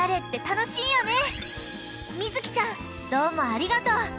みずきちゃんどうもありがとう！